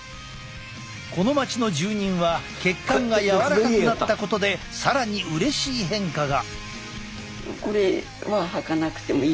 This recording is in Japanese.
この町の住人は血管が柔らかくなったことで更にうれしい変化が。